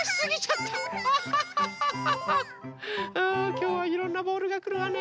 きょうはいろんなボールがくるわね。